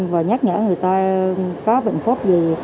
và nhắc nhở người ta có bệnh pháp gì